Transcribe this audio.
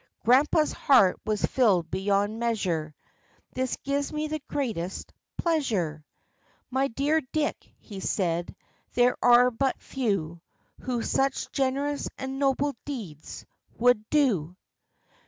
Grandpa's heart was filled beyond measure. "This gives me the greatest pleasure, My dear Dick," he said; "there are but few Who such generous and noble deeds would do.